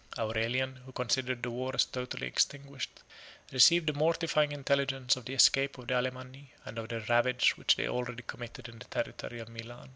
32 Aurelian, who considered the war as totally extinguished, received the mortifying intelligence of the escape of the Alemanni, and of the ravage which they already committed in the territory of Milan.